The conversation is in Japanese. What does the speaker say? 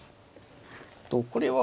これは。